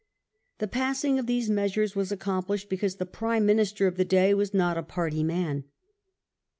The passing of these measures was accomplished because the Prime Minister of the day was not a party man.